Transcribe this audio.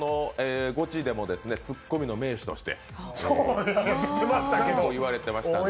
「ゴチ」でもツッコミの名手として結構言われていましたので。